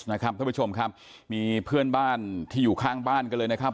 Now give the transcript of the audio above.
ท่านผู้ชมครับมีเพื่อนบ้านที่อยู่ข้างบ้านกันเลยนะครับ